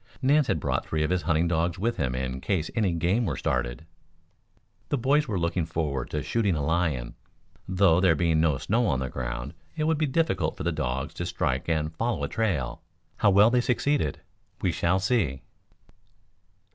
Nance had brought three of his hunting dogs with him in case any game were started. The boys were looking forward to shooting a lion, though, there being no snow on the ground, it would be difficult for the dogs to strike and follow a trail. How well they succeeded we shall see.